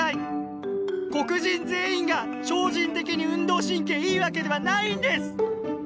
黒人全員が超人的に運動神経いいわけではないんです！」。